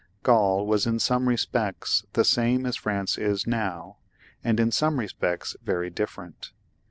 Gaul was in some respects the same as France is now, and in some respects very different.